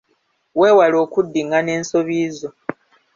Weewale okuddingana ensobi zo.